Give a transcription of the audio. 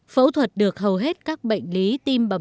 phẫu thuật được hầu hết các bệnh lý tim bẩm